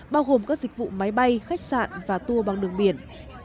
bao gồm các dịch vụ máy bay khách sạn và tour bằng đường biển